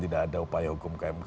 tidak ada upaya hukum kmk